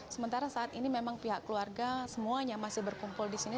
sementara saat ini memang pihak keluarga semuanya masih berkumpul di sini